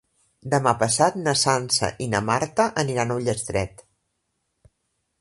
Demà passat na Sança i na Marta aniran a Ullastret.